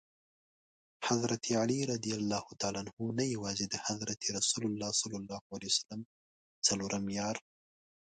حضرت علي رض نه یوازي د حضرت رسول ص څلورم یار.